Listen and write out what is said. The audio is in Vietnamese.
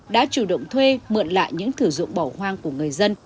đã chủ động thuê mượn lại những thử dụng bỏ hoang của người dân